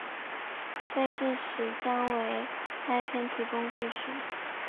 被证实将为该片提供故事。